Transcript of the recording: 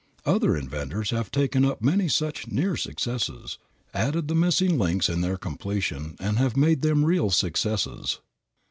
Other inventors have taken up many such "near" successes, added the missing links in their completion and have made them real successes.